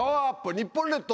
日本列島